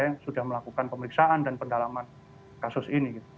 yang sudah melakukan pemeriksaan dan pendalaman kasus ini